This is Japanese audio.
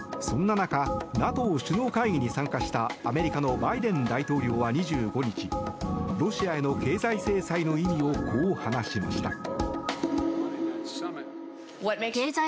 そんな中ＮＡＴＯ首脳会議に参加したアメリカのバイデン大統領は２５日ロシアへの経済制裁の意味をこう話しました。